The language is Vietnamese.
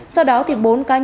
sau đó thì bốn cá nhân